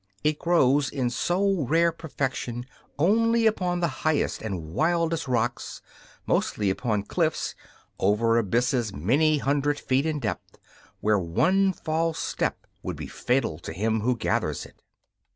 It grows in so rare perfection only upon the highest and wildest rocks mostly upon cliffs, over abysses many hundred feet in depth, where one false step would be fatal to him who gathers it.